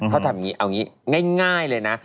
เขาทำอย่างนี้เอาอย่างนี้ง่ายเลยนะ